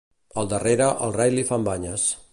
Al darrere, al rei li fan banyes.